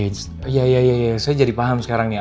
iya iya iya saya jadi paham sekarang nih